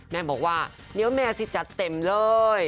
แม่บอกว่าเดี๋ยวแม่สิจัดเต็มเลย